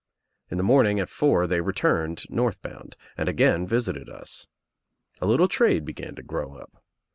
In the morn ing at four they returned north bound and again visited us. A little trade began to grow up.